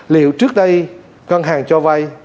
liệu trước đây ngân hàng cho vay